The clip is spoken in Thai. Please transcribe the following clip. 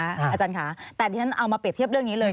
อาจารย์ค่ะแต่ที่ฉันเอามาเปรียบเทียบเรื่องนี้เลย